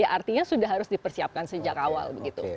artinya sudah harus dipersiapkan sejak awal begitu